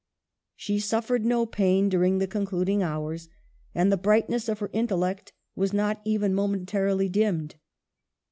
She suffered no pain during the concluding hours, and the brightness of her intellect was not even mo mentarily dimmed.